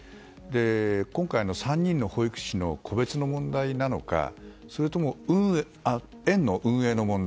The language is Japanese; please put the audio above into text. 今回の３人の保育士の個別の問題なのかそれとも園の運営の問題